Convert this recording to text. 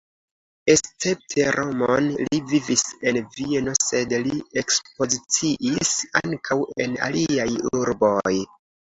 Escepte Romon li vivis en Vieno, sed li ekspoziciis ankaŭ en aliaj urboj.